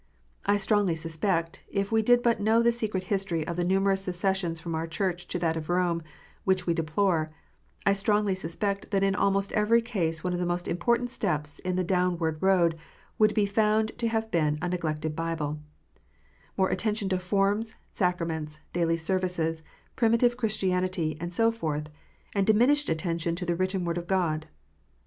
I strongly suspect, if we did but know the secret history of the numerous secessions from our Church to that of Rome, which we deplore, I strongly suspect that in almost every case one of the most important steps in the down ward road would be found to have been a neglected Bible, more attention to forms, sacraments, daily services, primitive Christianity, and so forth, and diminished attention to the written Word of God.